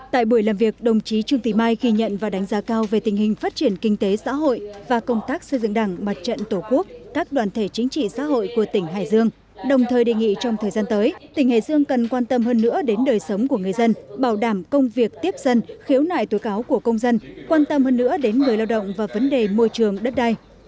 tại buổi làm việc đồng chí trương thị mai ghi nhận và đánh giá cao về tình hình phát triển kinh tế xã hội và công tác xây dựng đảng mặt trận tổ quốc các đoàn thể chính trị xã hội của tỉnh hải dương đồng thời đề nghị trong thời gian tới tỉnh hải dương cần quan tâm hơn nữa đến đời sống của người dân bảo đảm công việc tiếp dân khiếu nại tuổi cáo của công dân quan tâm hơn nữa đến người lao động và vấn đề môi trường đất đai